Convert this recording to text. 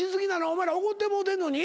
お前らおごってもうてんのに？